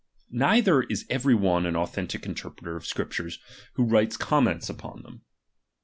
Neither is every one an authentic interpreter of Scriptures, who RELIGION. 275 writes comments upon them.